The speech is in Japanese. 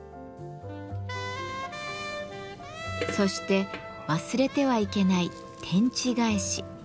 そして忘れてはいけない「天地返し」。